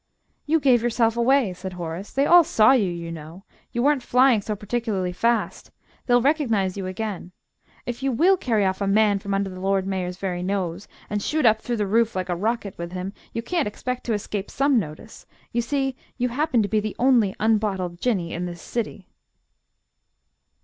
"You gave yourself away," said Horace. "They all saw you, you know. You weren't flying so particularly fast. They'll recognise you again. If you will carry off a man from under the Lord Mayor's very nose, and shoot up through the roof like a rocket with him, you can't expect to escape some notice. You see, you happen to be the only unbottled Jinnee in this City."